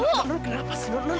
non non kenapa sih non